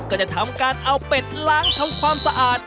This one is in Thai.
ก็จะทำการเอาเป็ดล้างทำความสะอาด